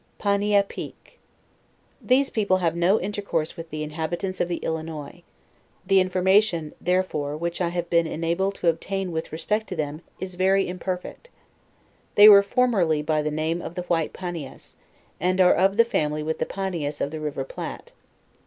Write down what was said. PANIA PIQUE. These people have no intercourse with the inhabitants of the Illinois; the information, therefore, which I have been enabled to obtain with respect to them, is very imperfect. They were formerly by the name of the White Panias, and are of the family with the Panias of the river Platte.